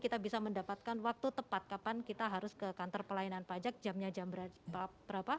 kita bisa mendapatkan waktu tepat kapan kita harus ke kantor pelayanan pajak jamnya jam berapa